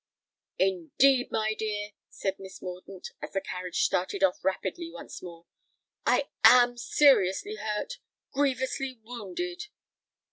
"Indeed, my dear," said Miss Mordaunt, as the carriage started off rapidly once more, "I am seriously hurt—grievously wounded!"